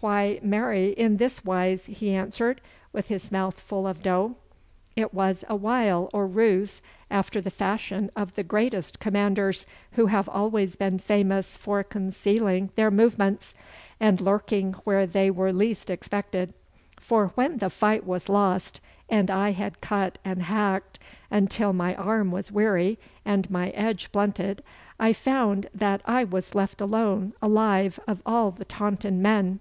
'Why, marry, in this wise,' he answered, with his mouth full of dough. 'It was a wile or ruse, after the fashion of the greatest commanders, who have always been famous for concealing their movements, and lurking where they were least expected. For when the fight was lost, and I had cut and hacked until my arm was weary and my edge blunted, I found that I was left alone alive of all the Taunton men.